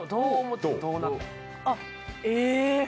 あっ、ええ！